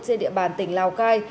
trên địa bàn tỉnh lào cai